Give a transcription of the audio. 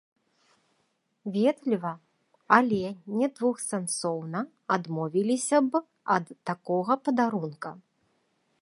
Ветліва, але недвухсэнсоўна адмовіліся б ад такога падарунка.